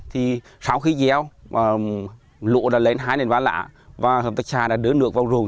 thì sau khi gieo lụa đã lên hai ba lạ và hợp tác xa đã đưa nước vào ruồng